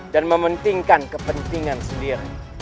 dan mementingkan kepentingan sendiri